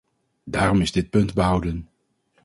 Daarom is dit punt behouden.